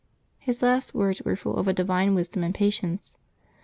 His last words were full of a divine wisdom and patience.